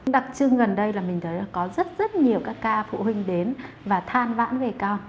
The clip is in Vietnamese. đặc trưng gần đây là mình thấy có rất rất nhiều các ca phụ huynh đến và than vãn về con